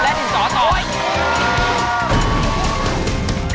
และดินสอตอบ